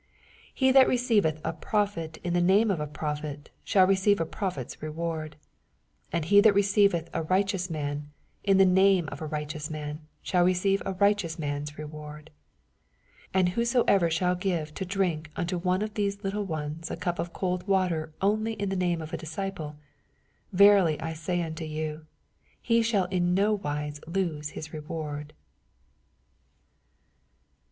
41 He that receiveth a prophet in the name of a prophet shall receive a prophet^s reward ; and ho that receiv eth a righteous man in the name of a righteous man shall receive a right eous man^s reward. 42 And whosoever shall give to drink unto one of these llttie ones a cup of cold waier only in the name of a disciple, verily I sa^ unto you, he shall in no wise lose ms reward.